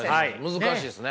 難しいですね。